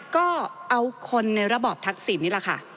ก็เอาคนในระบอบทักษิณนี่แหละค่ะ